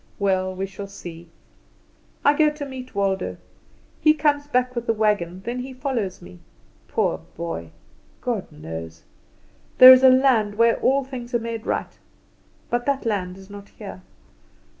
Well, we shall see. I go to meet Waldo. He comes back with the wagon; then he follows me. Poor boy? God knows. There is a land where all things are made right, but that land is not here.